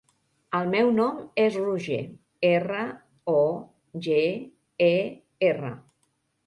El meu nom és Roger: erra, o, ge, e, erra.